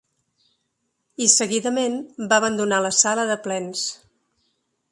I seguidament va abandonar la sala de plens.